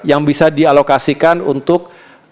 yang bisa dialokasikan untuk